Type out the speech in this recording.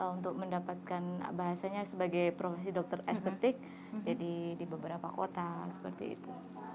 untuk mendapatkan bahasanya sebagai profesi dokter estetik di beberapa kota seperti itu